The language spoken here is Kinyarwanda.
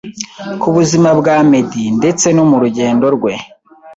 kubuzima bwa Meddy ndetse no murugendo rwe